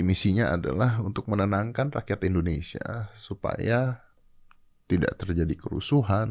misinya adalah untuk menenangkan rakyat indonesia supaya tidak terjadi kerusuhan